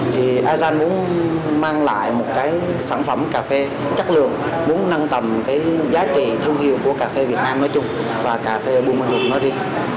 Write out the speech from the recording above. thì az gian muốn mang lại một cái sản phẩm cà phê chất lượng muốn nâng tầm cái giá trị thương hiệu của cà phê việt nam nói chung và cà phê bù mê thuật nói đi